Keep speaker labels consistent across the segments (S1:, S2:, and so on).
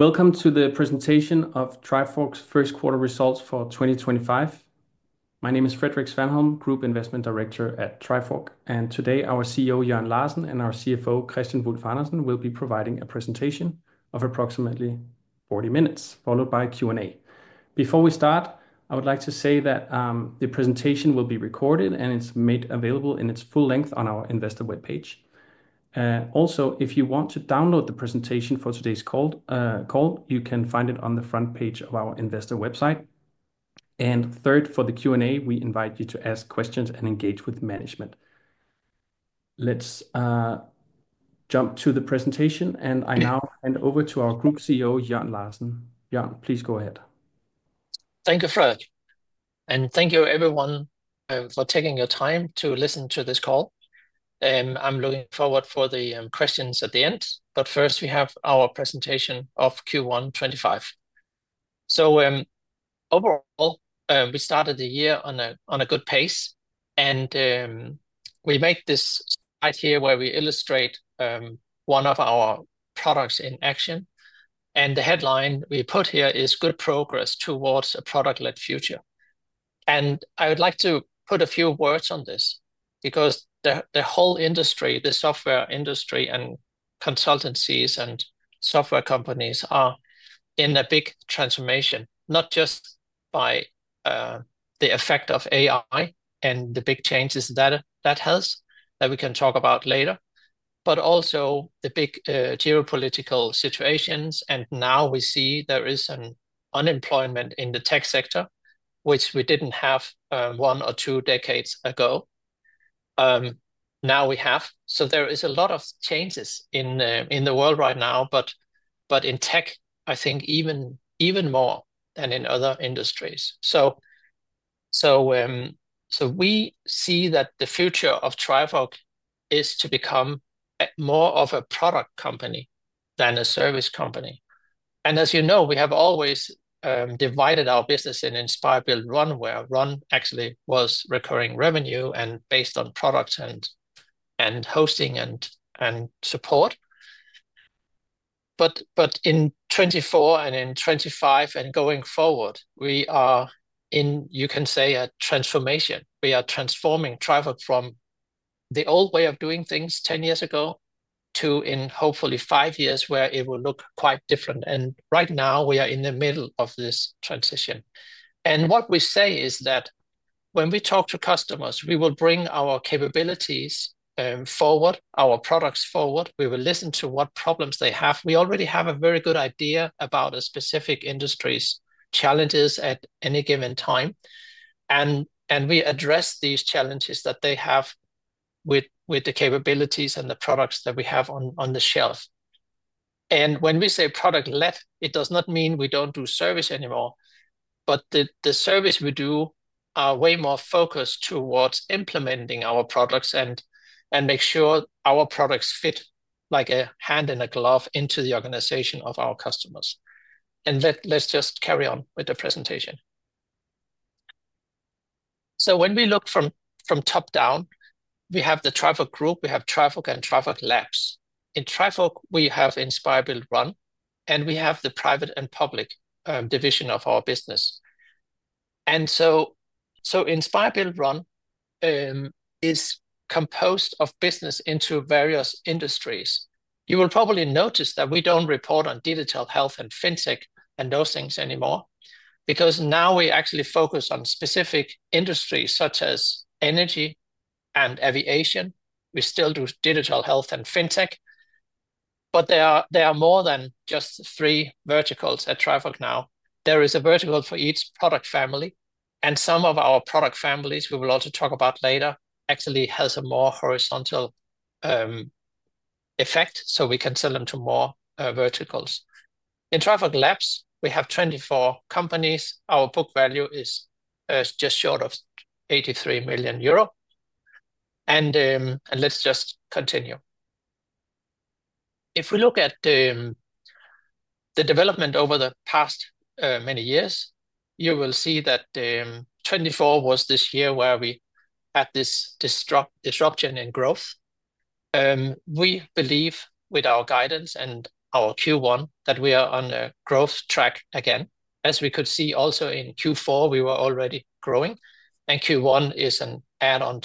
S1: Welcome to the Presentation of Trifork's First Quarter Results for 2025. My name is Frederik Svanholm, Group Investment Director at Trifork, and today our CEO Jørn Larsen and our CFO Kristian Wulf-Andersen will be providing a presentation of approximately 40 minutes, followed by Q&A. Before we start, I would like to say that the presentation will be recorded and it's made available in its full length on our investor webpage. Also, if you want to download the presentation for today's call, you can find it on the front page of our investor website. Third, for the Q&A, we invite you to ask questions and engage with management. Let's jump to the presentation, and I now hand over to our Group CEO Jørn Larsen. Jørn, please go ahead.
S2: Thank you, Fred, and thank you everyone for taking your time to listen to this call. I'm looking forward to the questions at the end, but first we have our presentation of Q1 2025. Overall, we started the year on a good pace, and we make this slide here where we illustrate one of our products in action. The headline we put here is "Good Progress Towards a Product-Led Future." I would like to put a few words on this because the whole industry, the software industry and consultancies and software companies are in a big transformation, not just by the effect of AI and the big changes that that has that we can talk about later, but also the big geopolitical situations. Now we see there is an unemployment in the tech sector, which we did not have one or two decades ago. Now we have. There is a lot of changes in the world right now, but in tech, I think even more than in other industries. We see that the future of Trifork is to become more of a product company than a service company. As you know, we have always divided our business in Inspire, Build, Run, where Run actually was recurring revenue and based on products and hosting and support. In 2024 and in 2025 and going forward, we are, you can say, a transformation. We are transforming Trifork from the old way of doing things 10 years ago to in hopefully five years where it will look quite different. Right now we are in the middle of this transition. What we say is that when we talk to customers, we will bring our capabilities forward, our products forward. We will listen to what problems they have. We already have a very good idea about a specific industry's challenges at any given time, and we address these challenges that they have with the capabilities and the products that we have on the shelf. When we say product-led, it does not mean we do not do service anymore, but the service we do is way more focused towards implementing our products and making sure our products fit like a hand in a glove into the organization of our customers. Let's just carry on with the presentation. When we look from top down, we have the Trifork Group, we have Trifork and Trifork Labs. In Trifork, we have Inspire, Build, Run, and we have the private and public division of our business. Inspire, Build, Run is composed of business into various industries. You will probably notice that we do not report on digital health and fintech and those things anymore because now we actually focus on specific industries such as energy and aviation. We still do digital health and fintech, but there are more than just three verticals at Trifork now. There is a vertical for each product family, and some of our product families, we will also talk about later, actually have a more horizontal effect, so we can sell them to more verticals. In Trifork Labs, we have 24 companies. Our book value is just short of EUR 83 million. Let us just continue. If we look at the development over the past many years, you will see that 2024 was this year where we had this disruption in growth. We believe with our guidance and our Q1 that we are on a growth track again. As we could see also in Q4, we were already growing, and Q1 is an add-on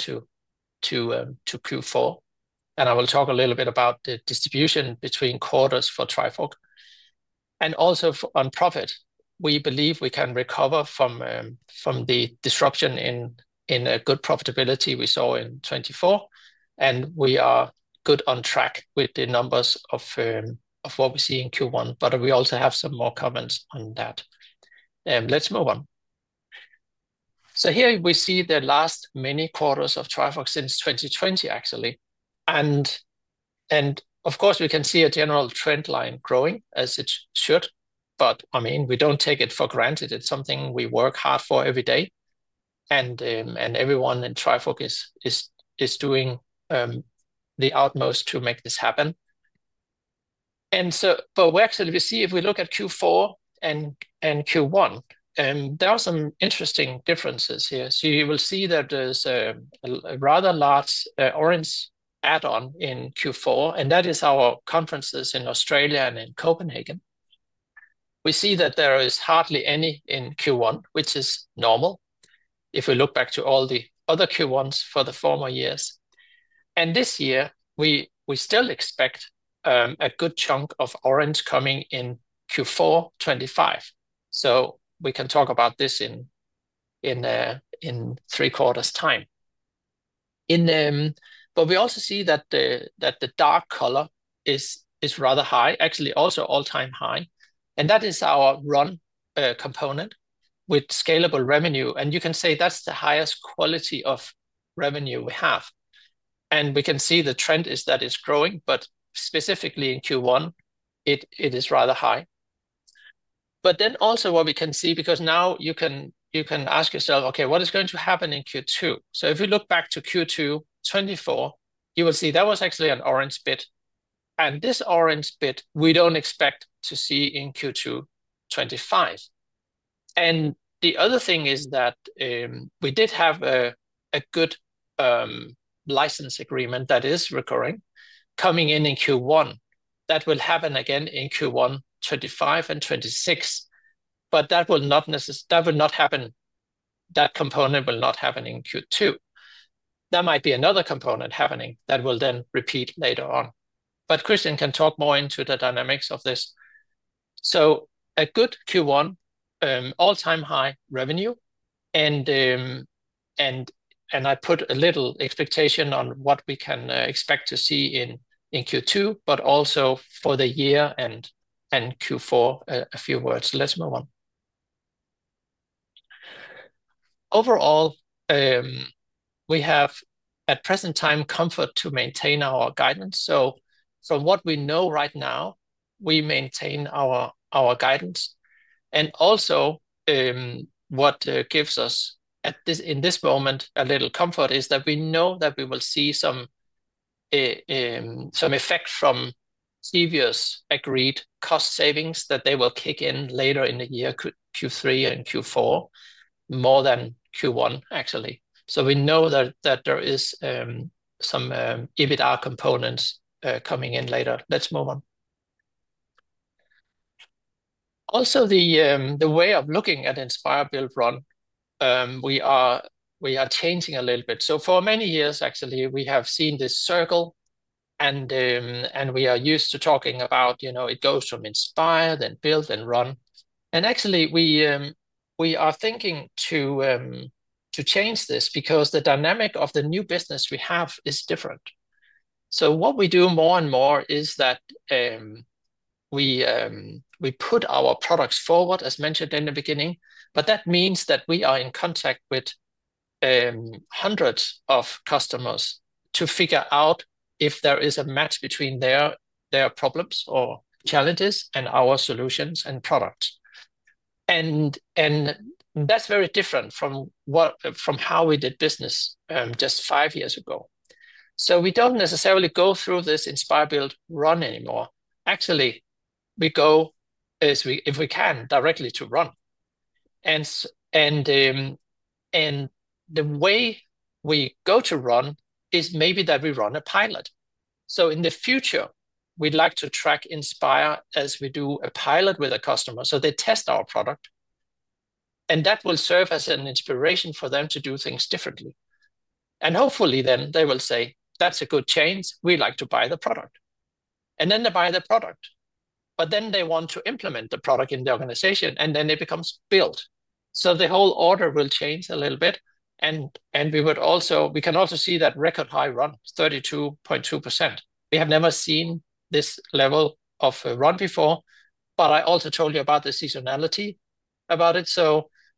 S2: to Q4. I will talk a little bit about the distribution between quarters for Trifork. Also on profit, we believe we can recover from the disruption in good profitability we saw in 2024, and we are good on track with the numbers of what we see in Q1, but we also have some more comments on that. Let's move on. Here we see the last many quarters of Trifork since 2020, actually. Of course, we can see a general trend line growing as it should, but I mean, we do not take it for granted. It is something we work hard for every day, and everyone in Trifork is doing the utmost to make this happen. We actually see if we look at Q4 and Q1, there are some interesting differences here. You will see that there is a rather large orange add-on in Q4, and that is our conferences in Australia and in Copenhagen. We see that there is hardly any in Q1, which is normal if we look back to all the other Q1's for the former years. This year, we still expect a good chunk of orange coming in Q4 2025. We can talk about this in three quarters' time. We also see that the dark color is rather high, actually also all-time high, and that is our run component with scalable revenue. You can say that is the highest quality of revenue we have. We can see the trend is that it is growing, but specifically in Q1, it is rather high. But then also what we can see, because now you can ask yourself, okay, what is going to happen in Q2? If we look back to Q2 2024, you will see that was actually an orange bit. This orange bit, we do not expect to see in Q2 2025. The other thing is that we did have a good license agreement that is recurring coming in Q1. That will happen again in Q1 2025 and 2026, but that will not happen. That component will not happen in Q2. There might be another component happening that will then repeat later on. Kristian can talk more into the dynamics of this. A good Q1, all-time high revenue, and I put a little expectation on what we can expect to see in Q2, but also for the year and Q4, a few words. Let's move on. Overall, we have at present time comfort to maintain our guidance. From what we know right now, we maintain our guidance. Also, what gives us in this moment a little comfort is that we know that we will see some effect from previous agreed cost savings that they will kick in later in the year, Q3 and Q4, more than Q1, actually. We know that there is some EBITDA components coming in later. Let's move on. Also, the way of looking at Inspire, Build, Run, we are changing a little bit. For many years, actually, we have seen this circle, and we are used to talking about it goes from Inspire, then Build, then Run. Actually, we are thinking to change this because the dynamic of the new business we have is different. What we do more and more is that we put our products forward, as mentioned in the beginning, but that means that we are in contact with hundreds of customers to figure out if there is a match between their problems or challenges and our solutions and product. That is very different from how we did business just five years ago. We do not necessarily go through this Inspire, Build, Run anymore. Actually, we go, if we can, directly to Run. The way we go to Run is maybe that we run a pilot. In the future, we would like to track Inspire as we do a pilot with a customer. They test our product, and that will serve as an inspiration for them to do things differently. Hopefully then they will say, "That's a good change. We'd like to buy the product." And then they buy the product, but then they want to implement the product in the organization, and then it becomes Build. The whole order will change a little bit. We can also see that record high Run, 32.2%. We have never seen this level of Run before, but I also told you about the seasonality about it.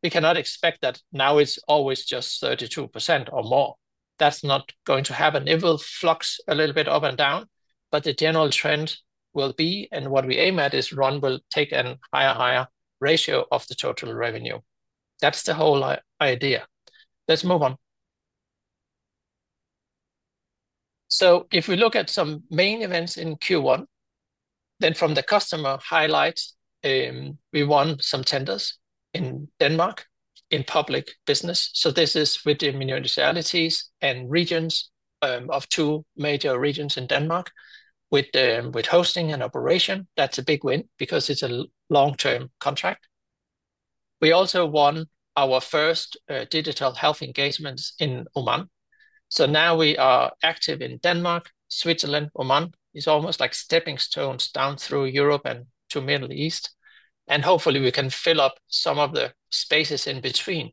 S2: We cannot expect that now it's always just 32% or more. That's not going to happen. It will flux a little bit up and down, but the general trend will be, and what we aim at is Run will take a higher ratio of the total revenue. That's the whole idea. Let's move on. If we look at some main events in Q1, then from the customer highlights, we won some tenders in Denmark in public business. This is with the municipalities and regions of two major regions in Denmark with hosting and operation. That's a big win because it's a long-term contract. We also won our first digital health engagements in Oman. Now we are active in Denmark, Switzerland, Oman. It's almost like stepping stones down through Europe and to the Middle East. Hopefully we can fill up some of the spaces in between.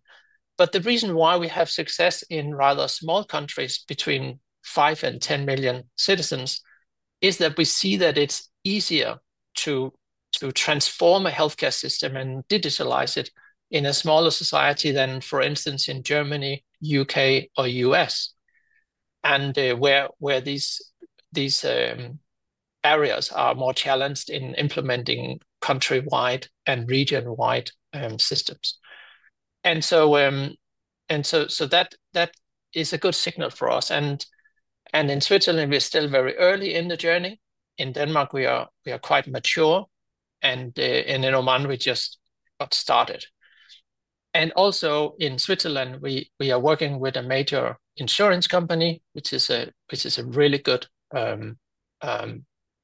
S2: The reason why we have success in rather small countries between 5 and 10 million citizens is that we see that it's easier to transform a healthcare system and digitalize it in a smaller society than, for instance, in Germany, the U.K., or the U.S., where these areas are more challenged in implementing countrywide and region-wide systems. That is a good signal for us. In Switzerland, we're still very early in the journey. In Denmark, we are quite mature, and in Oman, we just got started. Also in Switzerland, we are working with a major insurance company, which is a really good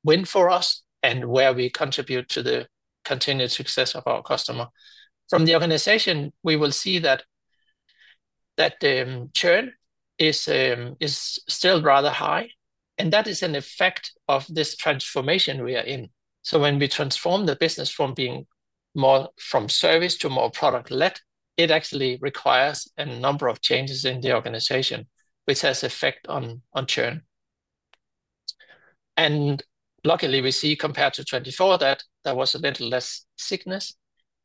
S2: win for us and where we contribute to the continued success of our customer. From the organization, we will see that churn is still rather high, and that is an effect of this transformation we are in. When we transform the business from being more from service to more product-led, it actually requires a number of changes in the organization, which has effect on churn. Luckily, we see compared to 2024 that there was a little less sickness.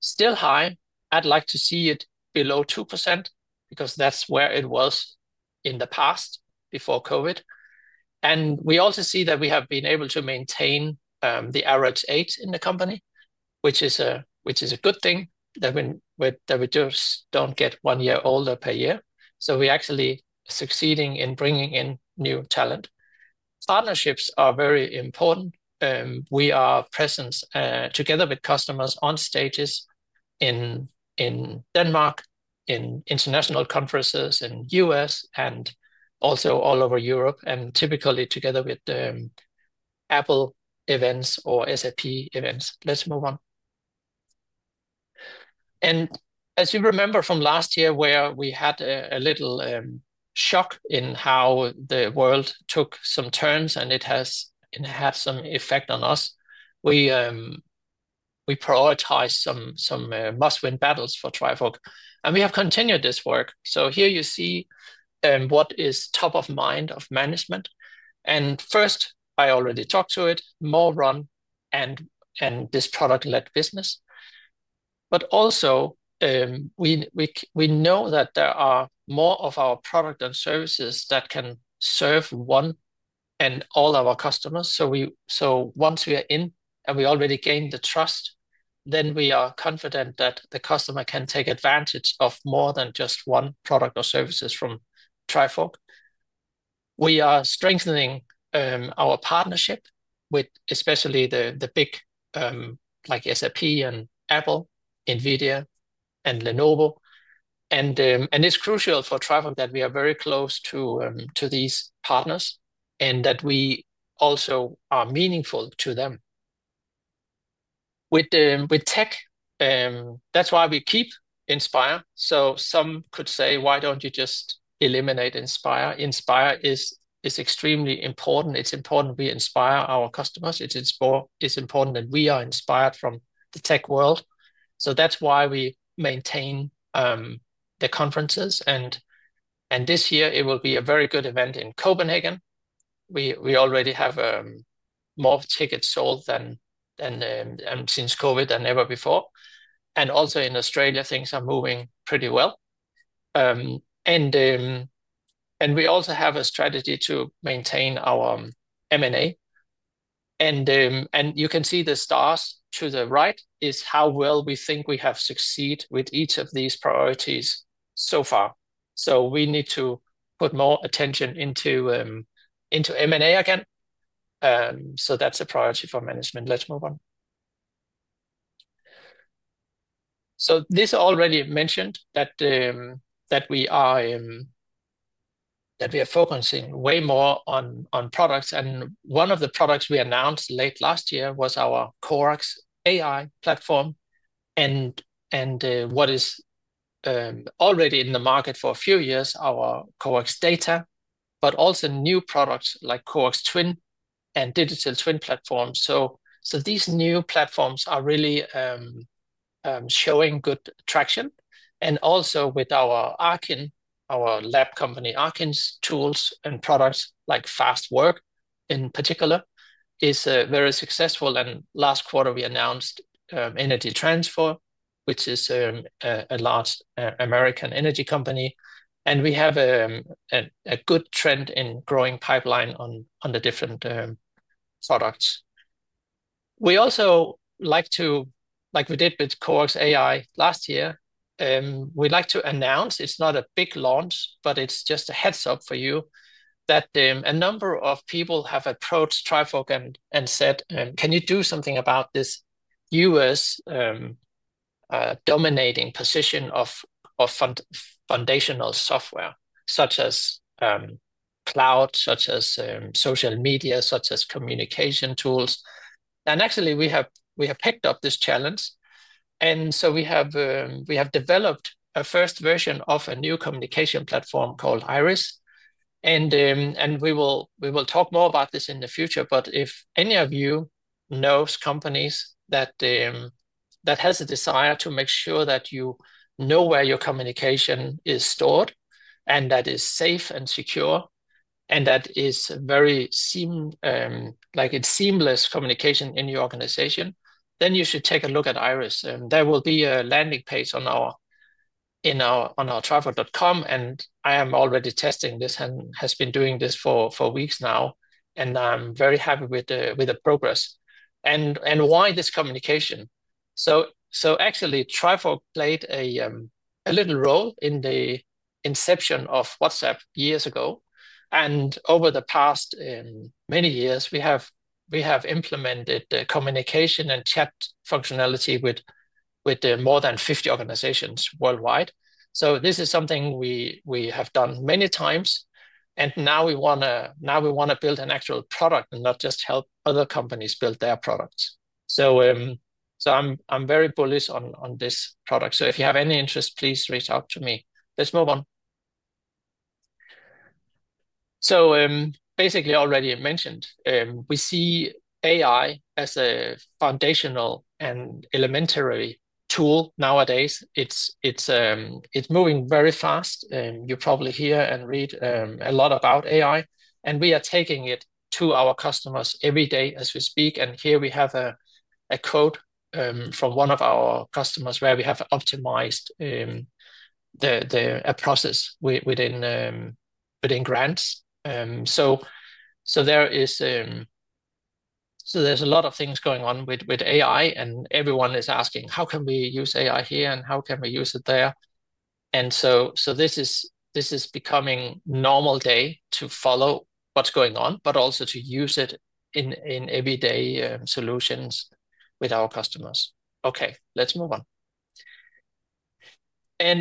S2: Still high. I'd like to see it below 2% because that's where it was in the past before COVID. We also see that we have been able to maintain the average age in the company, which is a good thing that we just do not get one year older per year. We are actually succeeding in bringing in new talent. Partnerships are very important. We are present together with customers on stages in Denmark, in international conferences in the U.S., and also all over Europe, and typically together with Apple events or SAP events. Let's move on. As you remember from last year where we had a little shock in how the world took some turns and it has had some effect on us, we prioritized some must-win battles for Trifork, and we have continued this work. Here you see what is top of mind of management. First, I already talked to it, more Run and this product-led business. We also know that there are more of our products and services that can serve one and all our customers. Once we are in and we already gained the trust, we are confident that the customer can take advantage of more than just one product or service from Trifork. We are strengthening our partnership with especially the big like SAP and Apple, Nvidia, and Lenovo. It is crucial for Trifork that we are very close to these partners and that we also are meaningful to them. With tech, that is why we keep Inspire. Some could say, "Why do you not just eliminate Inspire?" Inspire is extremely important. It is important we inspire our customers. It is important that we are inspired from the tech world. That is why we maintain the conferences. This year, it will be a very good event in Copenhagen. We already have more tickets sold since COVID than ever before. Also, in Australia, things are moving pretty well. We also have a strategy to maintain our M&A. You can see the stars to the right is how well we think we have succeeded with each of these priorities so far. We need to put more attention into M&A again. That is a priority for management. Let's move on. This already mentioned that we are focusing way more on products. One of the products we announced late last year was our COWOX AI platform, and what is already in the market for a few years, our COWOX Data, but also new products like COWOX Twin and Digital Twin platforms. These new platforms are really showing good traction. Also with our Arkyn, our lab company, Arkyn's tools and products like Fastwork in particular is very successful. Last quarter, we announced Energy Transfer, which is a large American energy company. We have a good trend in growing pipeline on the different products. We also like to, like we did with COWOX AI last year, we'd like to announce, it's not a big launch, but it's just a heads-up for you that a number of people have approached Trifork and said, "Can you do something about this U.S. dominating position of foundational software such as cloud, such as social media, such as communication tools?" Actually, we have picked up this challenge. We have developed a first version of a new communication platform called Iris. We will talk more about this in the future, but if any of you know companies that have a desire to make sure that you know where your communication is stored and that it is safe and secure and that it is like seamless communication in your organization, then you should take a look at Iris. There will be a landing page on our trifork.com, and I am already testing this and have been doing this for weeks now, and I'm very happy with the progress. Why this communication? Actually, Trifork played a little role in the inception of WhatsApp years ago. Over the past many years, we have implemented the communication and chat functionality with more than 50 organizations worldwide. This is something we have done many times, and now we want to build an actual product and not just help other companies build their products. I'm very bullish on this product. If you have any interest, please reach out to me. Let's move on. Basically, already mentioned, we see AI as a foundational and elementary tool nowadays. It's moving very fast. You probably hear and read a lot about AI, and we are taking it to our customers every day as we speak. Here we have a quote from one of our customers where we have optimized a process within grants. There are a lot of things going on with AI, and everyone is asking, "How can we use AI here and how can we use it there?" This is becoming normal day to follow what's going on, but also to use it in everyday solutions with our customers. Okay, let's move on.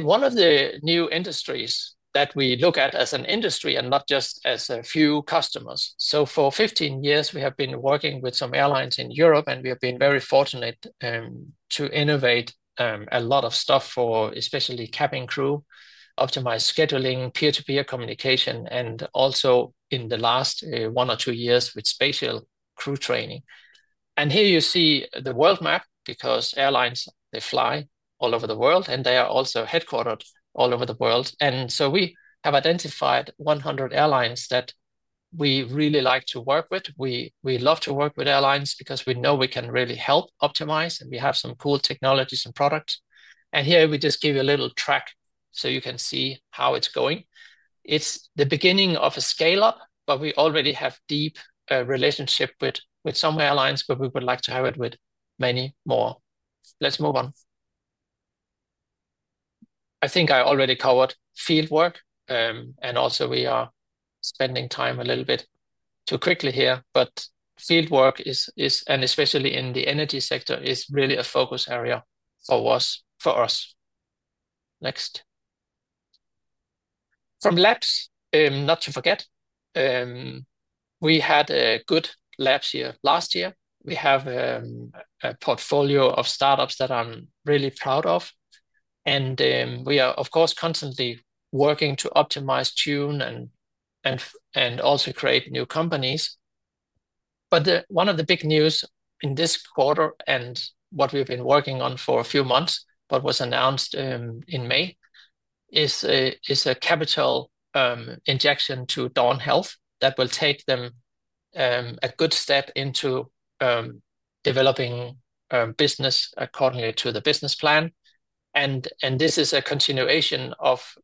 S2: One of the new industries that we look at as an industry and not just as a few customers. For 15 years, we have been working with some airlines in Europe, and we have been very fortunate to innovate a lot of stuff for especially cabin crew, optimized scheduling, peer-to-peer communication, and also in the last one or two years with spatial crew training. Here you see the world map because airlines, they fly all over the world, and they are also headquartered all over the world. We have identified 100 airlines that we really like to work with. We love to work with airlines because we know we can really help optimize, and we have some cool technologies and products. Here we just give you a little track so you can see how it's going. It's the beginning of a scale-up, but we already have a deep relationship with some airlines, but we would like to have it with many more. Let's move on. I think I already covered fieldwork, and also we are spending time a little bit too quickly here, but fieldwork, and especially in the energy sector, is really a focus area for us. Next. From Labs, not to forget, we had a good Labs here last year. We have a portfolio of startups that I'm really proud of. And we are, of course, constantly working to optimize, tune, and also create new companies. One of the big news in this quarter and what we've been working on for a few months, but was announced in May, is a capital injection to Dawn Health that will take them a good step into developing business accordingly to the business plan. This is a continuation of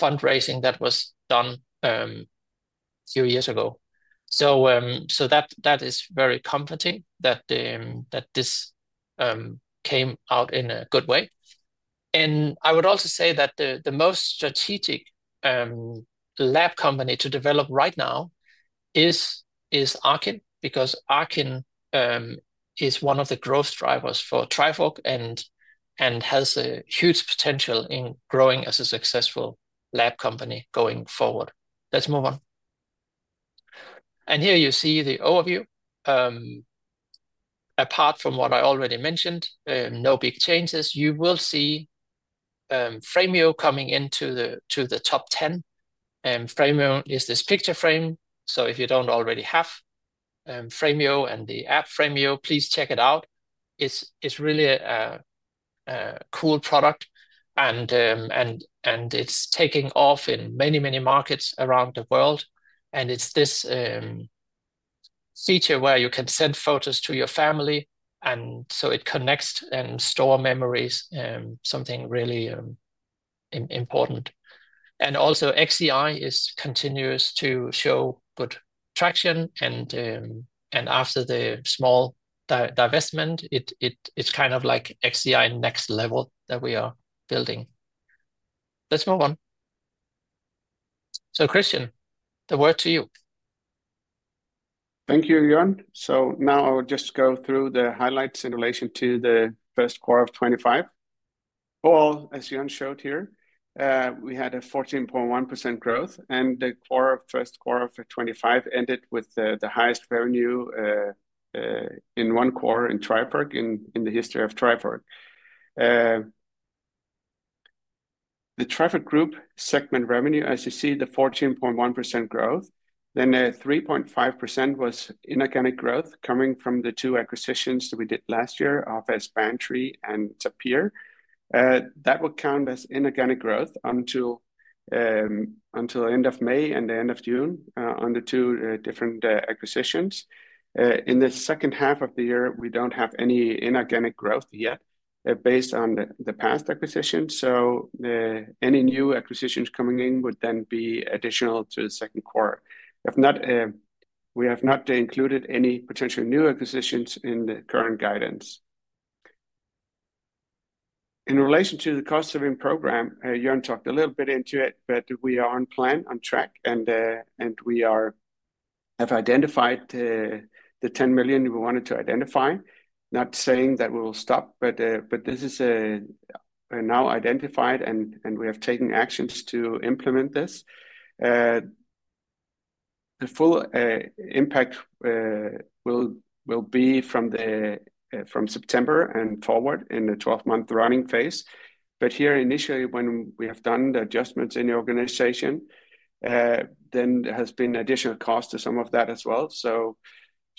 S2: fundraising that was done a few years ago. That is very comforting that this came out in a good way. I would also say that the most strategic lab company to develop right now is Arkyn, because Arkyn is one of the growth drivers for Trifork and has a huge potential in growing as a successful lab company going forward. Let's move on. Here you see the overview. Apart from what I already mentioned, no big changes. You will see Framio coming into the top 10. Framio is this picture frame. If you do not already have Framio and the app Framio, please check it out. It is really a cool product, and it is taking off in many, many markets around the world. It is this feature where you can send photos to your family, and it connects and stores memories, something really important. Also, XEI continues to show good traction, and after the small divestment, it is kind of like XEI next level that we are building. Let's move on. Kristian, the word to you.
S3: Thank you, Jørn. Now I will just go through the highlights in relation to the first quarter of 2025. Overall, as Jørn showed here, we had a 14.1% growth, and the first quarter of 2025 ended with the highest revenue in one quarter in Trifork in the history of Trifork. The Trifork Group segment revenue, as you see, the 14.1% growth, then 3.5% was inorganic growth coming from the two acquisitions that we did last year of Aspantry and Zapir. That would count as inorganic growth until the end of May and the end of June on the two different acquisitions. In the second half of the year, we do not have any inorganic growth yet based on the past acquisitions. Any new acquisitions coming in would then be additional to the second quarter. We have not included any potential new acquisitions in the current guidance. In relation to the cost-saving program, Jørn talked a little bit into it, but we are on plan, on track, and we have identified the 10 million we wanted to identify. Not saying that we will stop, but this is now identified, and we have taken actions to implement this. The full impact will be from September and forward in the 12-month running phase. Here, initially, when we have done the adjustments in the organization, there has been additional cost to some of that as well.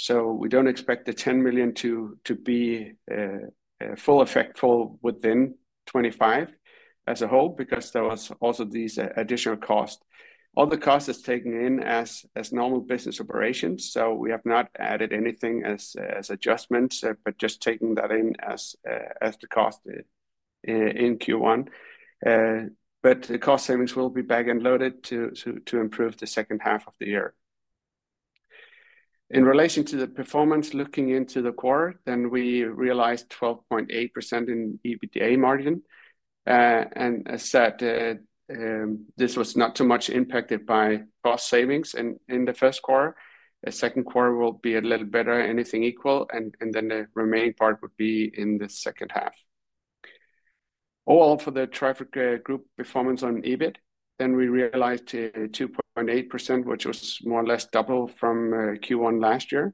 S3: We do not expect the 10 million to be full effect full within 2025 as a whole because there were also these additional costs. All the cost is taken in as normal business operations. We have not added anything as adjustments, but just taking that in as the cost in Q1. The cost savings will be back and loaded to improve the second half of the year. In relation to the performance, looking into the quarter, we realized 12.8% in EBITDA margin. As said, this was not too much impacted by cost savings in the first quarter. The second quarter will be a little better, anything equal, and the remaining part would be in the second half. Overall, for the Trifork Group performance on EBIT, then we realized 2.8%, which was more or less double from Q1 last year.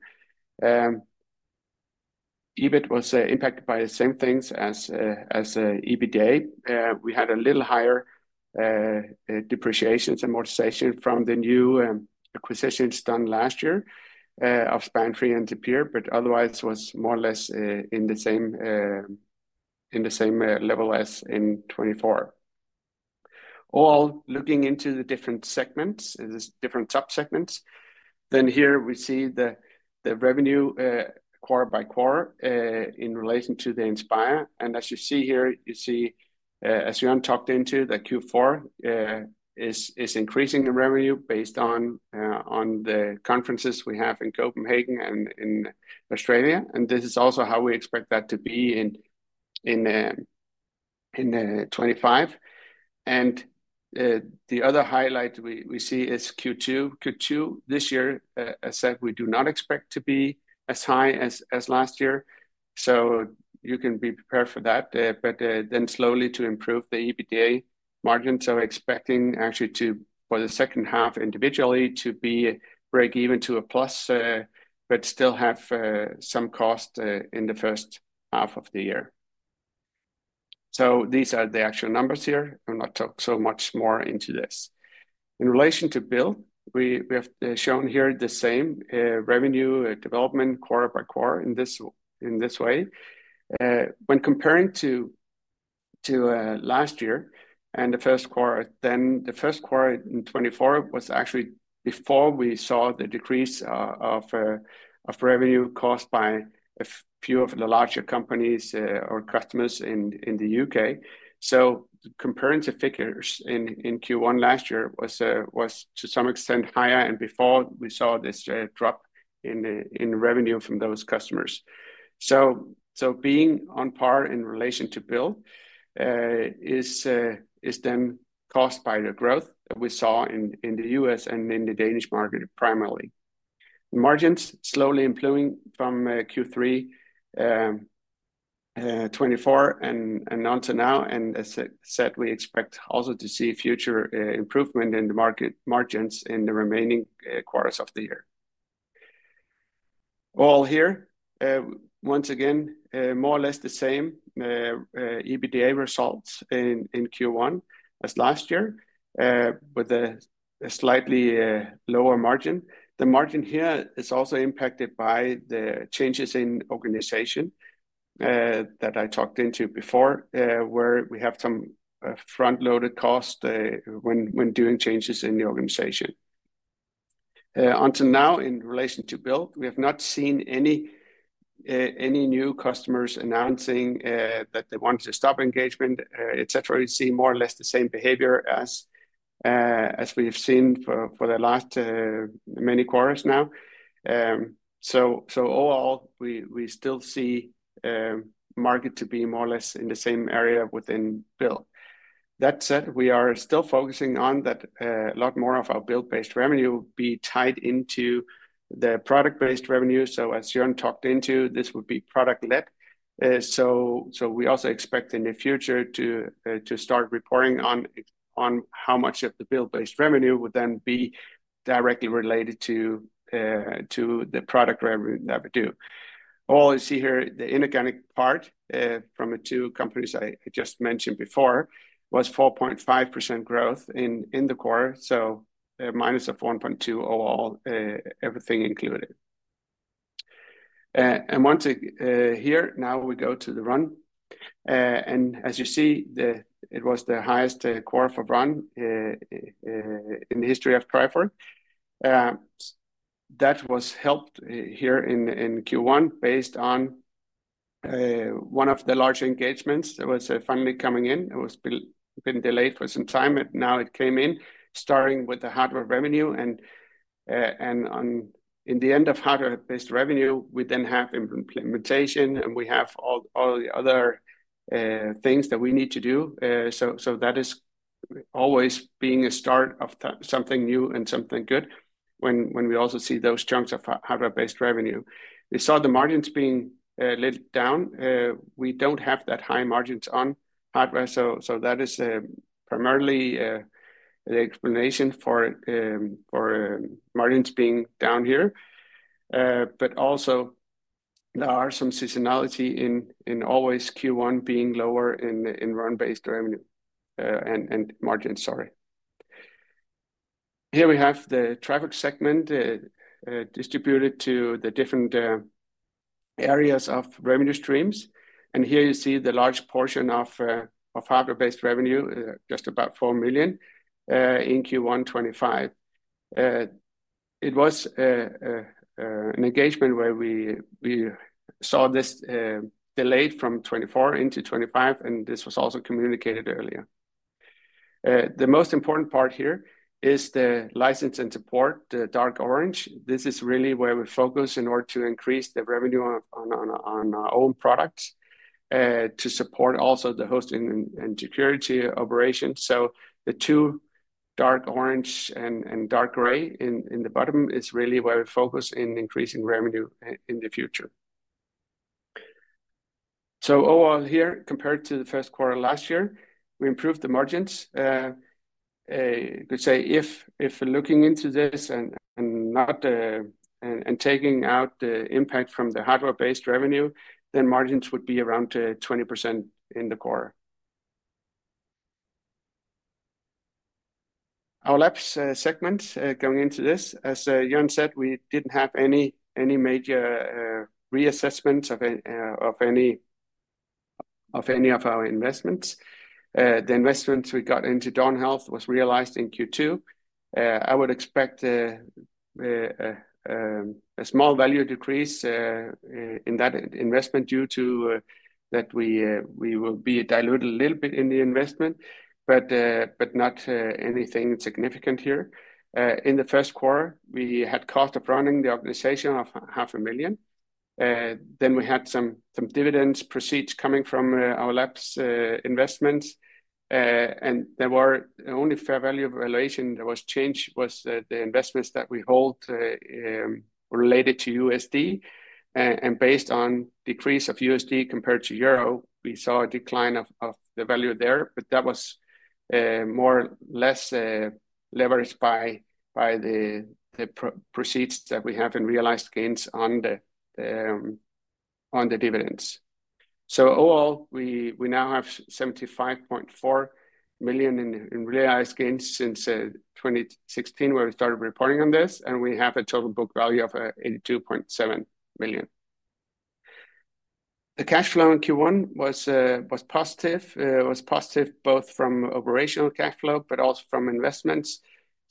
S3: EBIT was impacted by the same things as EBITDA. We had a little higher depreciations and more sessions from the new acquisitions done last year of Aspantry and Zapir, but otherwise was more or less in the same level as in 2024. Overall, looking into the different subsegments, then here we see the revenue quarter by quarter in relation to the Inspire. As you see here, you see as Jørn talked into, the Q4 is increasing in revenue based on the conferences we have in Copenhagen and in Australia. This is also how we expect that to be in 2025. The other highlight we see is Q2. Q2 this year, as said, we do not expect to be as high as last year. You can be prepared for that, but then slowly to improve the EBITDA margin. Expecting actually for the second half individually to be break even to a plus, but still have some cost in the first half of the year. These are the actual numbers here. I'm not so much more into this. In relation to Build, we have shown here the same revenue development quarter by quarter in this way. When comparing to last year and the first quarter, then the first quarter in 2024 was actually before we saw the decrease of revenue caused by a few of the larger companies or customers in the U.K. Comparing the figures in Q1 last year was to some extent higher and before we saw this drop in revenue from those customers. Being on par in relation to Build is then caused by the growth that we saw in the U.S. and in the Danish market primarily. Margins slowly improving from Q3 2024 and on to now. As I said, we expect also to see future improvement in the market margins in the remaining quarters of the year. Overall here, once again, more or less the same EBITDA results in Q1 as last year with a slightly lower margin. The margin here is also impacted by the changes in organization that I talked into before, where we have some front-loaded cost when doing changes in the organization. On to now, in relation to Build, we have not seen any new customers announcing that they want to stop engagement, etc. You see more or less the same behavior as we've seen for the last many quarters now. Overall, we still see market to be more or less in the same area within Build. That said, we are still focusing on that a lot more of our Build-based revenue will be tied into the product-based revenue. As Jørn talked into, this would be product-led. We also expect in the future to start reporting on how much of the Build-based revenue would then be directly related to the product revenue that we do. Overall, you see here the inorganic part from the two companies I just mentioned before was 4.5% growth in the quarter, so minus of 1.2% overall, everything included. Once here, now we go to the Run. As you see, it was the highest quarter for Run in the history of Trifork. That was helped here in Q1 based on one of the large engagements that was finally coming in. It was been delayed for some time, but now it came in, starting with the hardware revenue. In the end of hardware-based revenue, we then have implementation, and we have all the other things that we need to do. That is always being a start of something new and something good when we also see those chunks of hardware-based revenue. We saw the margins being lit down. We do not have that high margins on hardware. That is primarily the explanation for margins being down here. Also, there are some seasonality in always Q1 being lower in run-based revenue and margins, sorry. Here we have the Trifork segment distributed to the different areas of revenue streams. Here you see the large portion of hardware-based revenue, just about 4 million in Q1 2025. It was an engagement where we saw this delayed from 2024 into 2025, and this was also communicated earlier. The most important part here is the license and support, the dark orange. This is really where we focus in order to increase the revenue on our own products to support also the hosting and security operations. The two dark orange and dark gray in the bottom is really where we focus in increasing revenue in the future. Overall here, compared to the first quarter last year, we improved the margins. I could say if looking into this and taking out the impact from the hardware-based revenue, then margins would be around 20% in the quarter. Our Labs segment going into this, as Jørn said, we did not have any major reassessments of any of our investments. The investments we got into Dawn Health was realized in Q2. I would expect a small value decrease in that investment due to that we will be diluted a little bit in the investment, but not anything significant here. In the first quarter, we had cost of running the organization of 0.5 million. Then we had some dividends proceeds coming from our Labs investments. There were only fair value valuation that was changed was the investments that we hold related to USD. Based on decrease of USD compared to EUR, we saw a decline of the value there, but that was more or less leveraged by the proceeds that we have in realized gains on the dividends. Overall, we now have 75.4 million in realized gains since 2016 where we started reporting on this, and we have a total book value of 82.7 million. The cash flow in Q1 was positive, both from operational cash flow, but also from investments.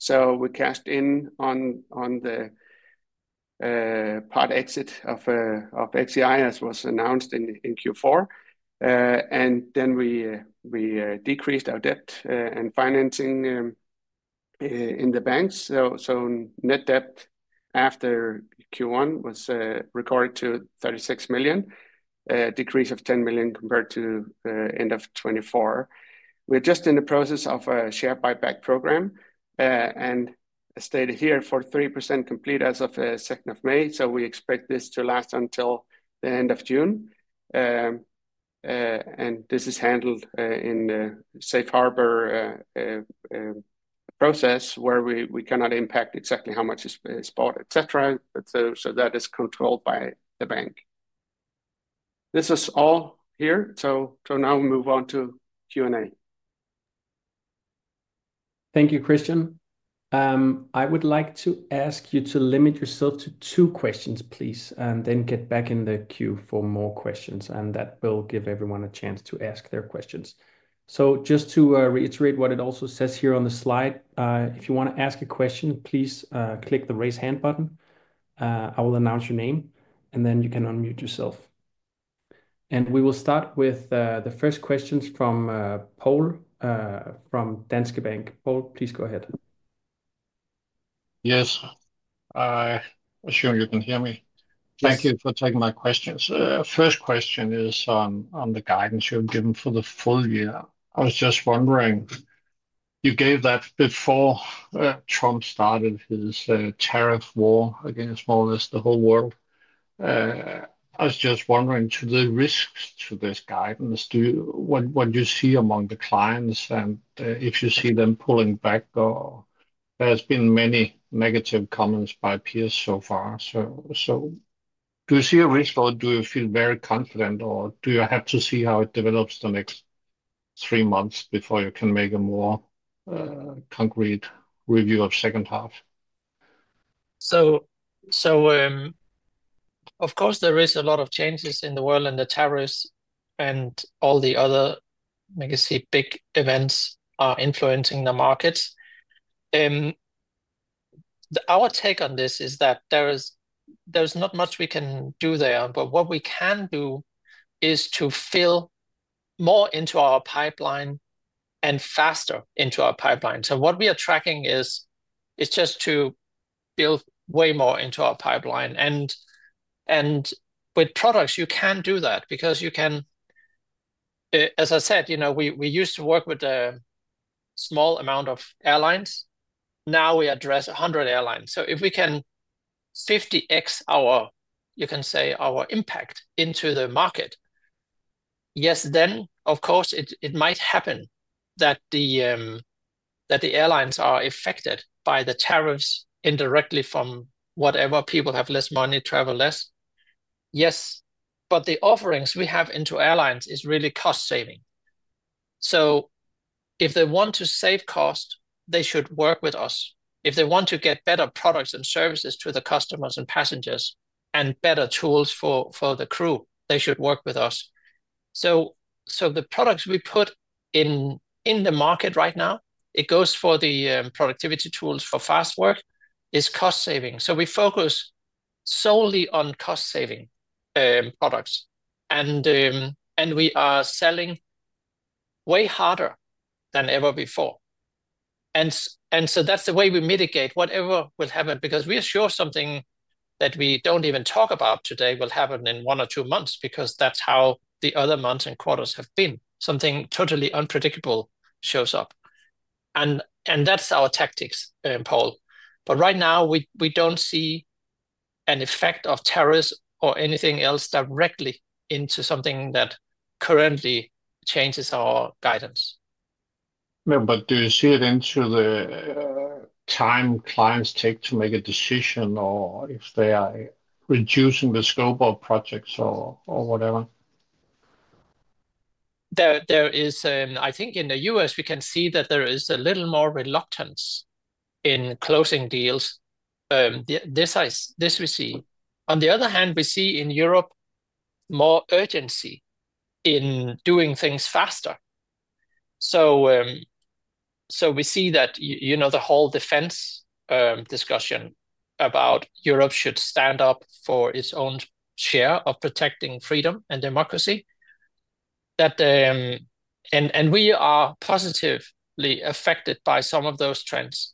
S3: We cashed in on the part exit of XEI as was announced in Q4. We decreased our debt and financing in the banks. Net debt after Q1 was recorded to 36 million, a decrease of 10 million compared to end of 2024. We are just in the process of a share buyback program. As stated here, 43% complete as of 2nd of May. We expect this to last until the end of June. This is handled in a safe harbor process where we cannot impact exactly how much is bought, etc. That is controlled by the bank. This is all here. Now we move on to Q&A.
S1: Thank you, Kristian. I would like to ask you to limit yourself to two questions, please, and then get back in the queue for more questions. That will give everyone a chance to ask their questions. Just to reiterate what it also says here on the slide, if you want to ask a question, please click the raise hand button. I will announce your name, and then you can unmute yourself. We will start with the first questions from Poul from Danske Bank. Poul, please go ahead.
S4: Yes. I assume you can hear me. Thank you for taking my questions. First question is on the guidance you have given for the full year. I was just wondering, you gave that before Trump started his tariff war against more or less the whole world. I was just wondering, to the risks to this guidance, what do you see among the clients and if you see them pulling back? There have been many negative comments by peers so far. Do you see a risk or do you feel very confident or do you have to see how it develops the next three months before you can make a more concrete review of second half?
S2: Of course, there is a lot of changes in the world and the tariffs and all the other big events are influencing the markets. Our take on this is that there is not much we can do there, but what we can do is to fill more into our pipeline and faster into our pipeline. What we are tracking is just to build way more into our pipeline. With products, you can do that because you can, as I said, we used to work with a small amount of airlines. Now we address 100 airlines. If we can 50x our, you can say, our impact into the market, yes, then of course, it might happen that the airlines are affected by the tariffs indirectly from whatever, people have less money, travel less. Yes, but the offerings we have into airlines is really cost-saving. If they want to save cost, they should work with us. If they want to get better products and services to the customers and passengers and better tools for the crew, they should work with us. The products we put in the market right now, it goes for the productivity tools for Fastwork, is cost-saving. We focus solely on cost-saving products. We are selling way harder than ever before. That is the way we mitigate whatever will happen because we assure something that we do not even talk about today will happen in one or two months because that is how the other months and quarters have been. Something totally unpredictable shows up. That is our tactics, Poul. Right now, we do not see an effect of tariffs or anything else directly into something that currently changes our guidance.
S4: Do you see it in the time clients take to make a decision or if they are reducing the scope of projects or whatever?
S2: I think in the U.S., we can see that there is a little more reluctance in closing deals. This we see. On the other hand, we see in Europe more urgency in doing things faster. We see that the whole defense discussion about Europe should stand up for its own share of protecting freedom and democracy. We are positively affected by some of those trends.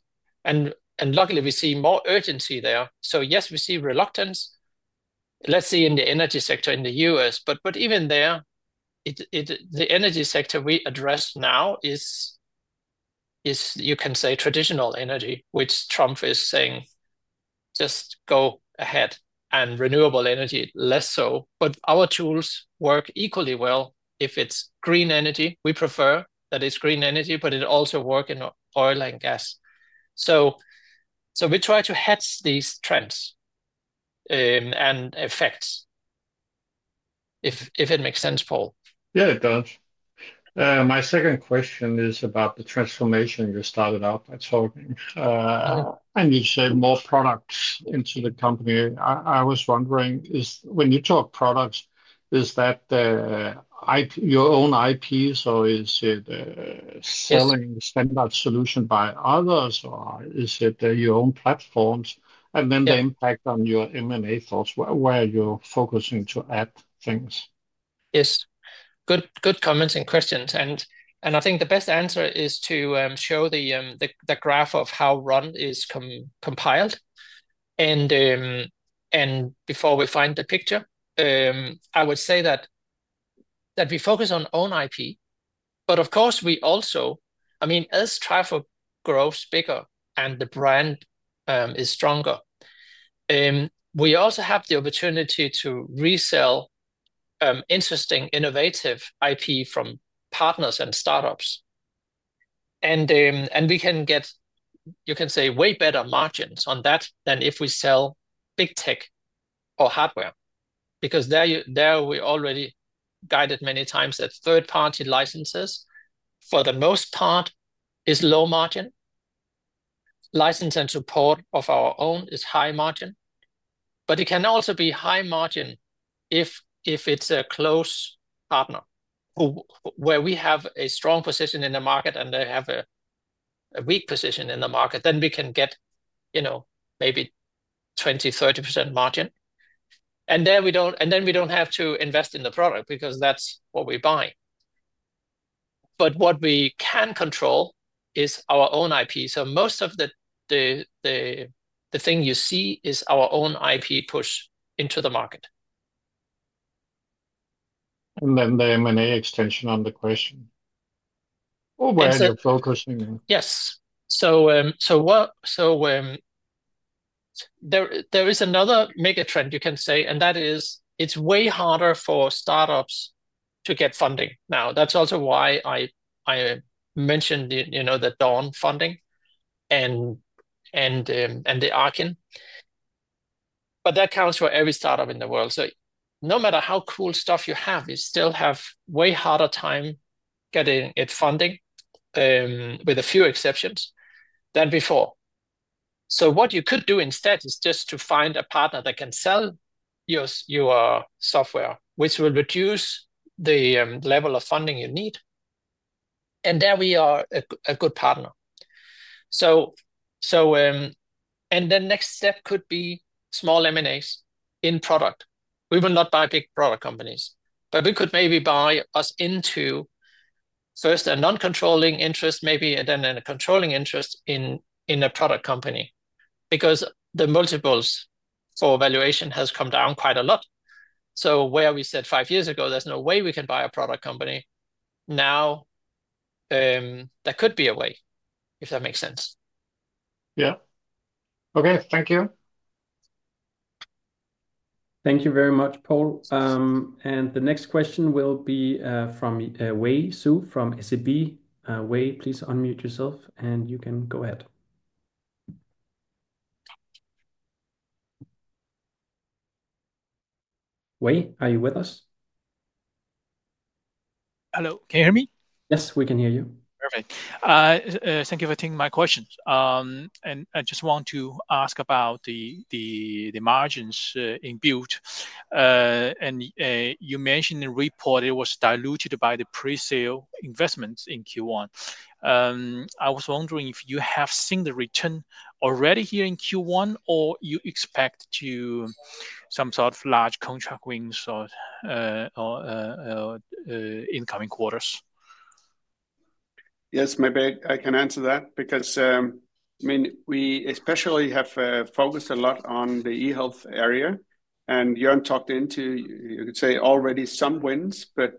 S2: Luckily, we see more urgency there. Yes, we see reluctance, let's say, in the energy sector in the U.S. Even there, the energy sector we address now is, you can say, traditional energy, which Trump is saying, just go ahead. Renewable energy, less so. Our tools work equally well. If it is green energy, we prefer that it is green energy, but it also works in oil and gas. We try to hedge these trends and effects. If it makes sense, Poul.
S4: Yeah, it does. My second question is about the transformation you started off by talking. You said more products into the company. I was wondering, when you talk products, is that your own IPs or is it selling standard solution by others or is it your own platforms? And then the impact on your M&A thoughts, where you're focusing to add things.
S2: Yes. Good comments and questions. I think the best answer is to show the graph of how run is compiled. Before we find the picture, I would say that we focus on own IP. Of course, we also, I mean, as Trifork grows bigger and the brand is stronger, we also have the opportunity to resell interesting, innovative IP from partners and startups. We can get, you can say, way better margins on that than if we sell big tech or hardware. Because there we already guided many times that third-party licenses, for the most part, is low margin. License and support of our own is high margin. It can also be high margin if it's a close partner where we have a strong position in the market and they have a weak position in the market, then we can get maybe 20-30% margin. We do not have to invest in the product because that's what we buy. What we can control is our own IP. Most of the thing you see is our own IP push into the market.
S4: The M&A extension on the question where you're focusing on,
S2: Yes. There is another mega trend, you can say, and that is it's way harder for startups to get funding now. That's also why I mentioned the Dawn funding and the Arkyn. That counts for every startup in the world. No matter how cool stuff you have, you still have a way harder time getting it funding, with a few exceptions, than before. What you could do instead is just to find a partner that can sell your software, which will reduce the level of funding you need. There we are a good partner. The next step could be small M&As in product. We will not buy big product companies. We could maybe buy us into first a non-controlling interest, maybe, and then a controlling interest in a product company. The multiples for valuation have come down quite a lot. Where we said five years ago, there is no way we can buy a product company. Now, there could be a way, if that makes sense.
S4: Yeah. Okay. Thank you.
S1: Thank you very much, Poul. The next question will be from Yiwei Zhou from SEB. Yiwei, please unmute yourself, and you can go ahead. Yiwei, are you with us?
S5: Hello. Can you hear me?
S1: Yes, we can hear you.
S5: Perfect. Thank you for taking my questions. I just want to ask about the margins in Build. You mentioned in the report it was diluted by the presale investments in Q1. I was wondering if you have seen the return already here in Q1, or you expect some sort of large contract wins or incoming quarters?
S3: Yes, maybe I can answer that because, I mean, we especially have focused a lot on the e-health area. Jørn talked into, you could say, already some wins, but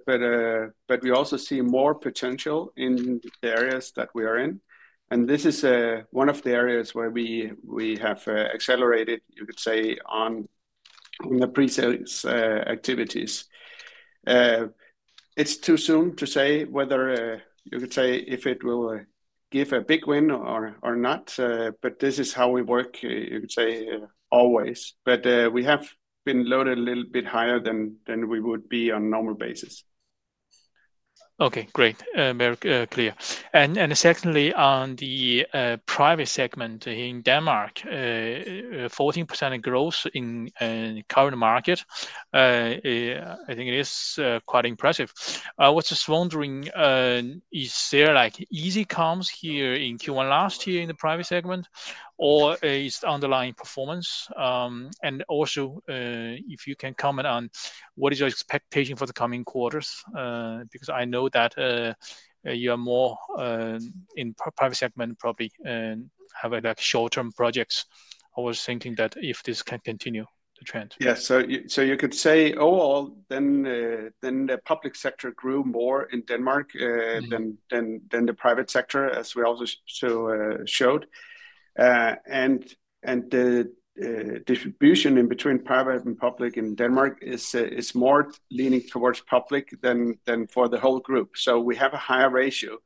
S3: we also see more potential in the areas that we are in. This is one of the areas where we have accelerated, you could say, on the presales activities. It's too soon to say whether, you could say, if it will give a big win or not, but this is how we work, you could say, always. We have been loaded a little bit higher than we would be on a normal basis.
S5: Okay, great, Kristian. Secondly, on the private segment in Denmark, 14% growth in the current market. I think it is quite impressive. I was just wondering, is there easy comms here in Q1 last year in the private segment, or is it underlying performance? Also, if you can comment on what is your expectation for the coming quarters? I know that you are more in the private segment, probably have short-term projects. I was thinking that if this can continue the trend.
S3: Yeah. You could say, oh, then the public sector grew more in Denmark than the private sector, as we also showed. The distribution in between private and public in Denmark is more leaning towards public than for the whole group. We have a higher ratio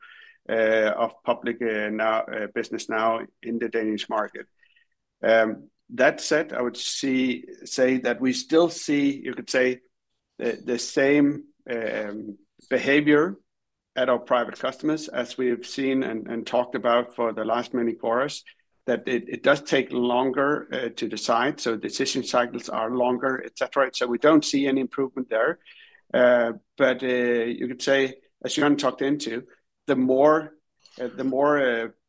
S3: of public business now in the Danish market. That said, I would say that we still see, you could say, the same behavior at our private customers as we've seen and talked about for the last many quarters, that it does take longer to decide. Decision cycles are longer, etc. We do not see any improvement there. As Jørn talked into, the more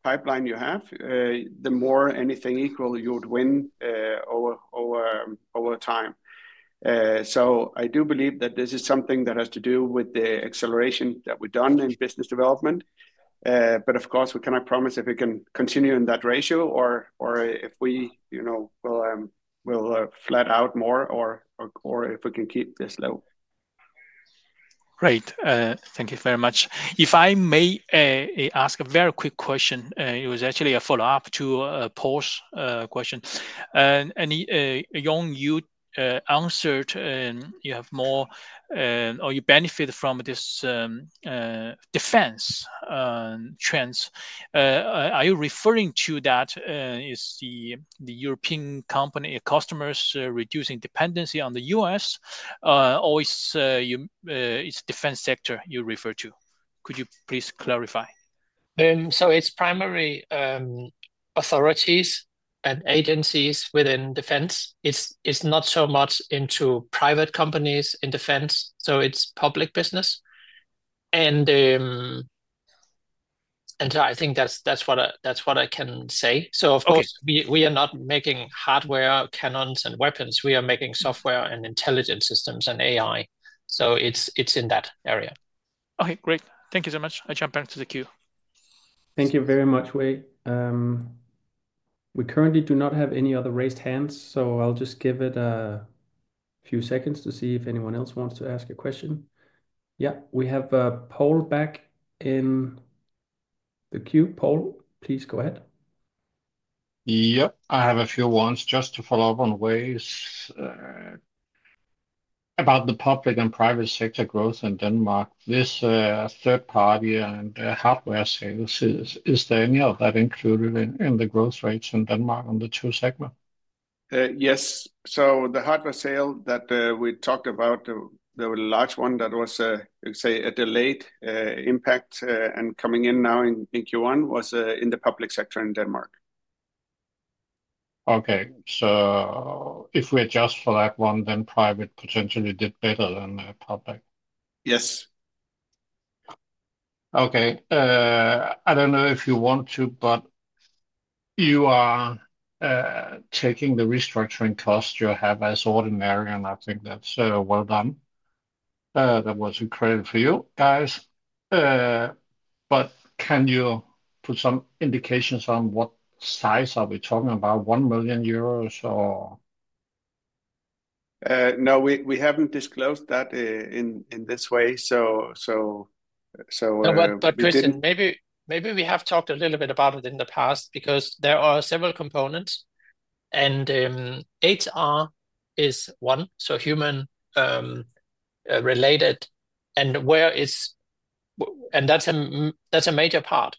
S3: pipeline you have, the more anything equal you would win over time. I do believe that this is something that has to do with the acceleration that we've done in business development. Of course, we cannot promise if we can continue in that ratio or if we will flat out more or if we can keep this low.
S5: Great. Thank you very much. If I may ask a very quick question, it was actually a follow-up to Poul's question. Jørn, you answered you have more or you benefit from this defense trends. Are you referring to that, is the European company customers reducing dependency on the U.S. or is it the defense sector you refer to? Could you please clarify?
S2: It is primarily authorities and agencies within defense. It is not so much into private companies in defense. It is public business. I think that is what I can say. Of course, we are not making hardware, cannons, and weapons. We are making software and intelligence systems and AI. It is in that area.
S5: Okay, great. Thank you so much.
S1: I'll jump back to the queue. Thank you very much, Yiwei. We currently do not have any other raised hands, so I'll just give it a few seconds to see if anyone else wants to ask a question. Yeah, we have Poul back in the queue. Poul, please go ahead.
S4: Yep. I have a few ones just to follow up on Yiwei's about the public and private sector growth in Denmark. This third-party and hardware sales, is there any of that included in the growth rates in Denmark on the two segments?
S3: Yes. So the hardware sale that we talked about, the large one that was, you could say, a delayed impact and coming in now in Q1 was in the public sector in Denmark.
S4: Okay. So if we adjust for that one, then private potentially did better than public.
S3: Yes.
S4: Okay. I don't know if you want to, but you are taking the restructuring cost you have as ordinary, and I think that's well done. That was incredible for you guys. Can you put some indications on what size are we talking about? 1 million euros or?
S3: No, we haven't disclosed that in this way.
S2: What? Kristian, maybe we have talked a little bit about it in the past because there are several components. HR is one, so human-related. That's a major part.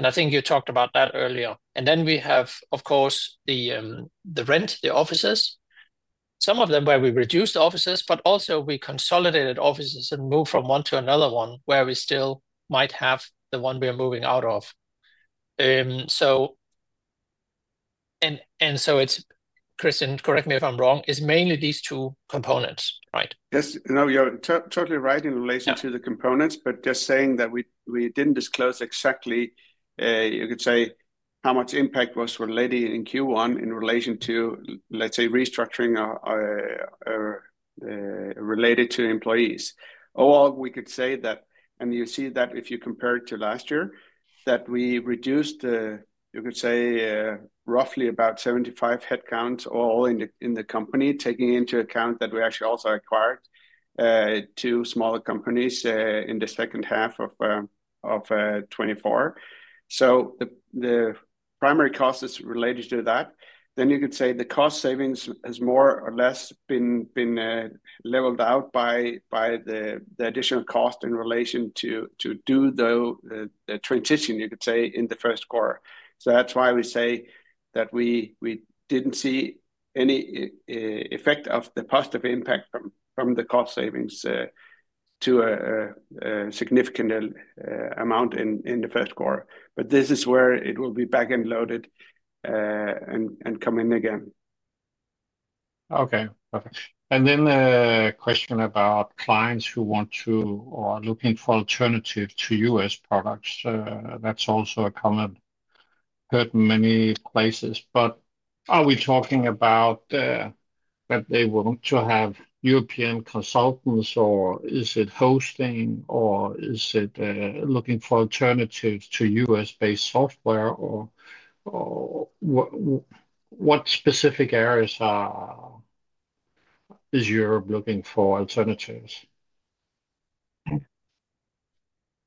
S2: I think you talked about that earlier. We have, of course, the rent, the offices. Some of them where we reduced offices, but also we consolidated offices and moved from one to another one where we still might have the one we are moving out of. It's, Kristian, correct me if I'm wrong, it's mainly these two components, right?
S3: Yes. No, you're totally right in relation to the components, but just saying that we didn't disclose exactly, you could say, how much impact was related in Q1 in relation to, let's say, restructuring related to employees. Or we could say that, and you see that if you compare it to last year, that we reduced, you could say, roughly about 75 headcounts all in the company, taking into account that we actually also acquired two smaller companies in the second half of 2024. The primary cost is related to that. You could say the cost savings have more or less been leveled out by the additional cost in relation to do the transition, you could say, in the first quarter. That is why we say that we didn't see any effect of the positive impact from the cost savings to a significant amount in the first quarter. This is where it will be back and loaded and come in again.
S4: Okay. Perfect. A question about clients who want to or are looking for alternatives to U.S. products. That is also a comment heard many places. Are we talking about that they want to have European consultants, or is it hosting, or is it looking for alternatives to U.S.-based software? What specific areas is Jørn looking for alternatives?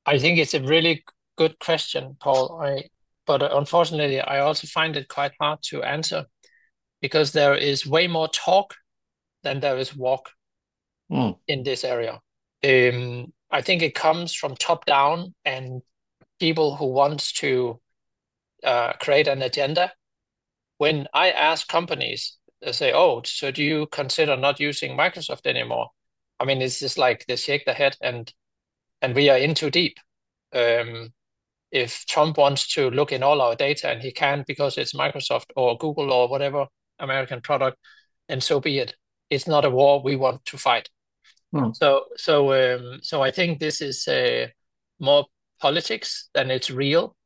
S2: I think it is a really good question, Paul. Unfortunately, I also find it quite hard to answer because there is way more talk than there is walk in this area. I think it comes from top down and people who want to create an agenda. When I ask companies, they say, "Oh, so do you consider not using Microsoft anymore?" I mean, it is just like they shake their head and we are in too deep. If Trump wants to look in all our data and he can because it's Microsoft or Google or whatever American product, and so be it. It's not a war we want to fight. I think this is more politics than it's real.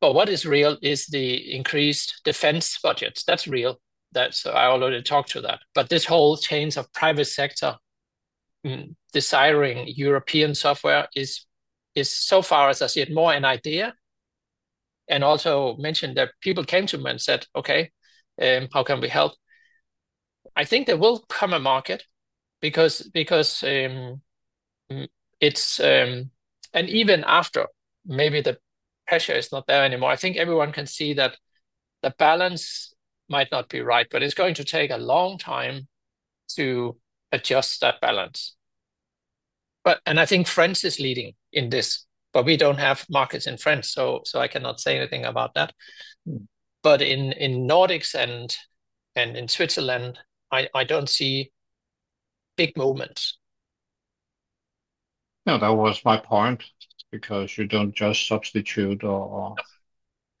S2: What is real is the increased defense budgets. That's real. I already talked to that. This whole change of private sector desiring European software is, so far as I see it, more an idea. I also mentioned that people came to me and said, "Okay, how can we help?" I think there will come a market because it's an even after, maybe the pressure is not there anymore. I think everyone can see that the balance might not be right, but it's going to take a long time to adjust that balance. I think France is leading in this, but we do not have markets in France, so I cannot say anything about that. In Nordics and in Switzerland, I do not see big movements.
S4: No, that was my point. You do not just substitute or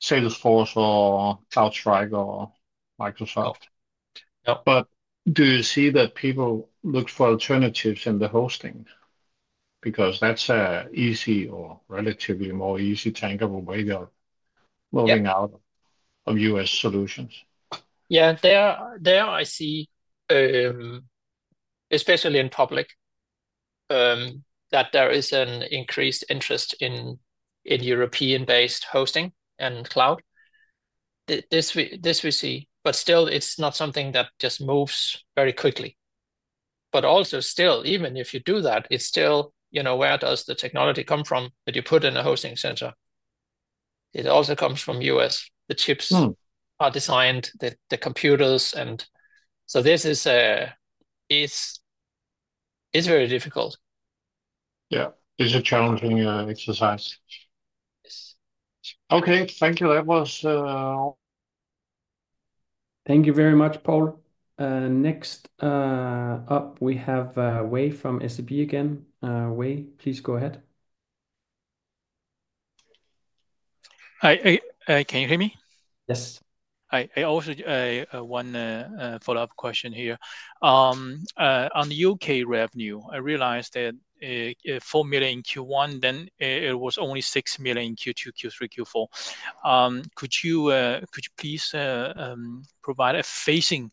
S4: Salesforce or CloudStrike or Microsoft. Do you see that people look for alternatives in the hosting? That is an easy or relatively more easy tangible way of moving out of U.S. solutions.
S2: Yeah. There I see, especially in public, that there is an increased interest in European-based hosting and cloud. This we see. Still, it is not something that just moves very quickly. Also, even if you do that, it is still, where does the technology come from that you put in a hosting center? It also comes from U.S.. The chips are designed, the computers. This is very difficult.
S4: Yeah. It's a challenging exercise. Okay. Thank you. That was all.
S1: Thank you very much, Paul. Next up, we have Wei from SAP again. Yiwei, please go ahead.
S5: Can you hear me?
S1: Yes.
S5: I also have one follow-up question here. On the U.K. revenue, I realized that 4 million in Q1, then it was only 6 million in Q2, Q3, Q4. Could you please provide a phasing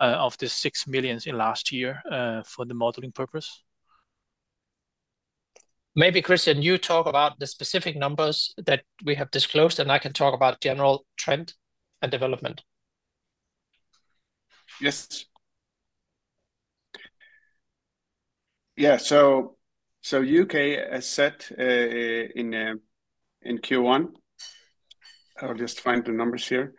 S5: of the 6 million in last year for the modeling purpose?
S2: Maybe, Kristian, you talk about the specific numbers that we have disclosed, and I can talk about general trend and development.
S3: Yes. Yeah. U.K., as said in Q1, I'll just find the numbers here.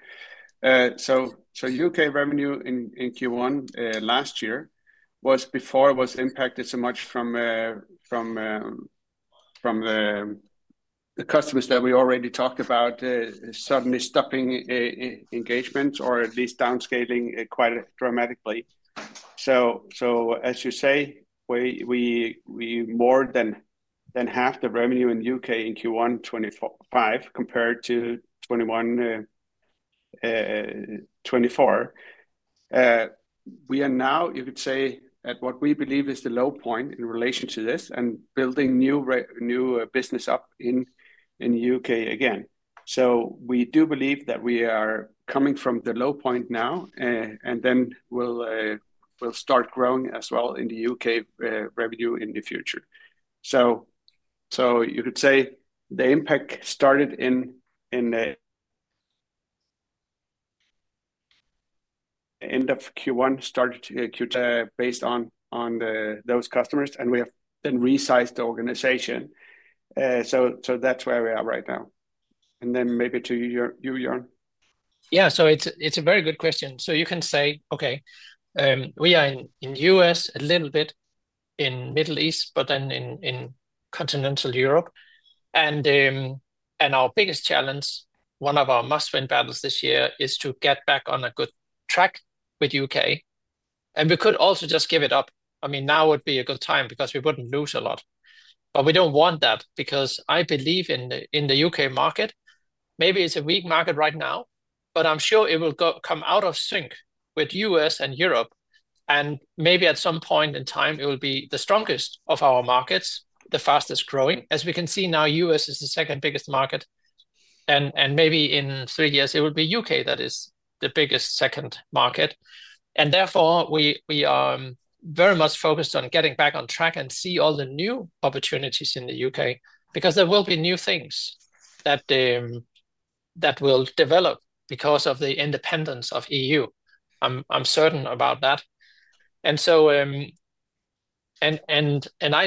S3: U.K. revenue in Q1 last year was before it was impacted so much from the customers that we already talked about suddenly stopping engagements or at least downscaling quite dramatically. As you say, we more than halved the revenue in the U.K. in Q1 2025 compared to 2024. We are now, you could say, at what we believe is the low point in relation to this and building new business up in the U.K. again. We do believe that we are coming from the low point now, and then we'll start growing as well in the U.K. revenue in the future. You could say the impact started in the end of Q1, started Q. Based on those customers, we have then resized the organization. That is where we are right now. Maybe to you, Jørn.
S2: Yeah. It is a very good question. You can say, okay, we are in the U.S. a little bit, in the Middle East, but then in continental Europe. Our biggest challenge, one of our must-win battles this year, is to get back on a good track with the U.K. We could also just give it up. I mean, now would be a good time because we would not lose a lot. I do not want that because I believe in the U.K. market. Maybe it is a weak market right now, but I am sure it will come out of sync with the U.S. and Europe. Maybe at some point in time, it will be the strongest of our markets, the fastest growing. As we can see now, the U.S. is the second biggest market. Maybe in three years, it will be the U.K. that is the biggest second market. Therefore, we are very much focused on getting back on track and see all the new opportunities in the U.K. because there will be new things that will develop because of the independence of the EU. I'm certain about that. I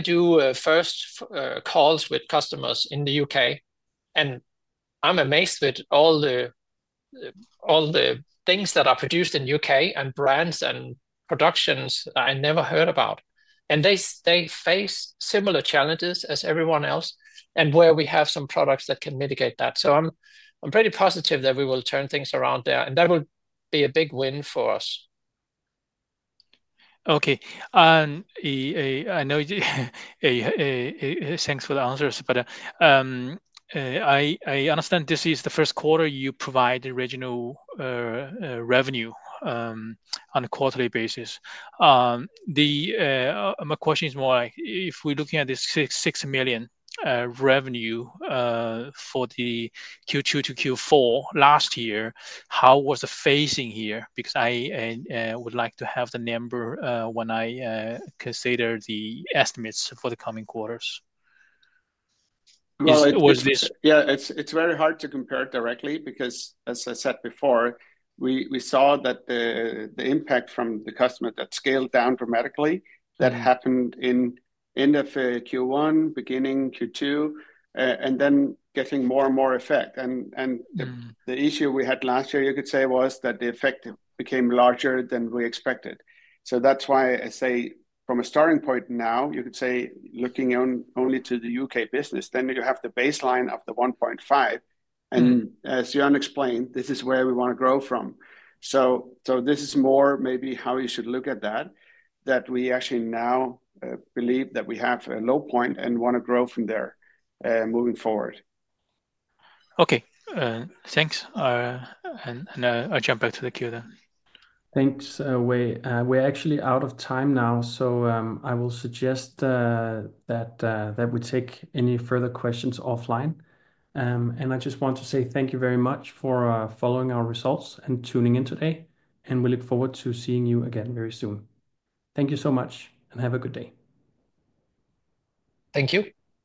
S2: do first calls with customers in the U.K., and I'm amazed with all the things that are produced in the U.K. and brands and productions I never heard about. They face similar challenges as everyone else and where we have some products that can mitigate that. I'm pretty positive that we will turn things around there, and that will be a big win for us.
S5: Okay. Thanks for the answers, but I understand this is the first quarter you provide the regional revenue on a quarterly basis. My question is more like, if we're looking at this 6 million revenue for the Q2 to Q4 last year, how was the phasing here? Because I would like to have the number when I consider the estimates for the coming quarters.
S3: Yeah. It's very hard to compare directly because, as I said before, we saw that the impact from the customer that scaled down dramatically, that happened in Q1, beginning Q2, and then getting more and more effect. The issue we had last year, you could say, was that the effect became larger than we expected. That's why I say from a starting point now, you could say looking only to the U.K. business, then you have the baseline of the 1.5 million. As Jørn explained, this is where we want to grow from. This is more maybe how you should look at that, that we actually now believe that we have a low point and want to grow from there moving forward.
S5: Okay. Thanks. I'll jump back to the Q then.
S1: Thanks, Yiwei. We're actually out of time now, so I will suggest that we take any further questions offline. I just want to say thank you very much for following our results and tuning in today. We look forward to seeing you again very soon. Thank you so much, and have a good day. Thank you.